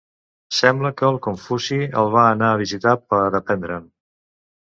Sembla que el Confuci el va anar a visitar per aprendre'n.